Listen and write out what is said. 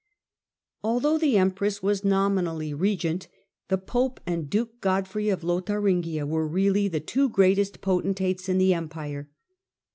Although the empress was nominally regent, the pope and duke Godfrey were really the two greatest Power of the potentates in the empire.